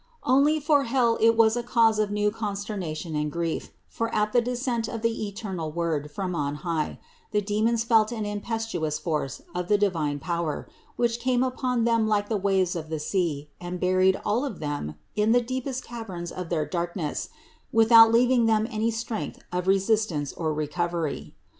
Only for hell it was a cause of new consternation and grief; for at the descent of the THE INCARNATION 105 eternal Word from on high, the demons felt an impet uous force of the divine power, which came upon them like the waves of the sea and buried all of them in the deepest caverns of their darkness without leaving them any strength of resistance or recovery.